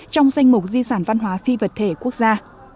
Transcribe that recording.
trong danh mục di sản văn hóa phi vật thể quốc gia